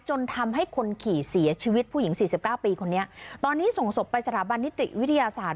จนทำให้คนขี่เสียชีวิตผู้หญิงสี่สิบเก้าปีคนนี้ตอนนี้ส่งศพไปสถาบันนิติวิทยาศาสตร์